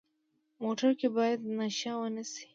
موټر کې باید نشه ونه شي.